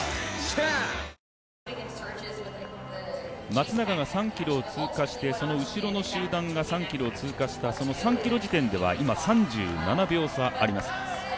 松永が３ｋｍを通過してその後ろの集団が３ｋｍを通過した、その３ｋｍ地点では今、３７秒差あります。